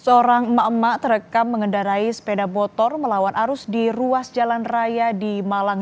seorang emak emak terekam mengendarai sepeda motor melawan arus di ruas jalan raya di malang